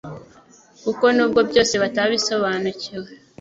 kuko n'ubwo byose batabisobanukiwe,